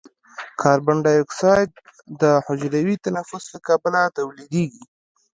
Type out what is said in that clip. کاربن ډای اکساید د حجروي تنفس له کبله تولیدیږي.